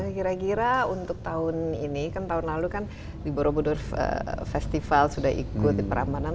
kira kira untuk tahun ini kan tahun lalu kan di borobudur festival sudah ikut di perambanan